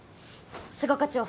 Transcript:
須賀課長